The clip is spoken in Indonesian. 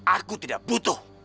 aku tidak butuh